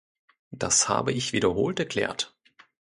Das habe ich wiederholt erklärt.